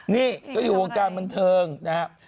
นี่ก็อยู่วงการบันเทิงนะครับ